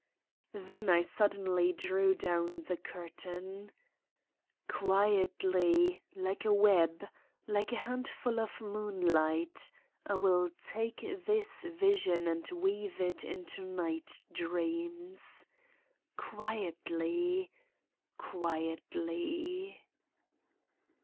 Then I suddenly drew down the curtain ! Quietly, like a web, like a handful of moonlight, I will take this vision and weave it into night dreams. Quietly! ,.